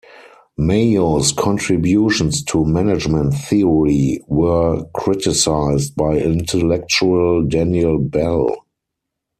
Mayo's contributions to management theory were criticised by intellectual Daniel Bell.